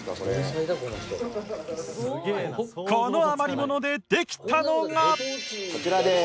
この余り物でできたのが